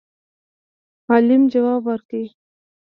عالم جواب ورکړ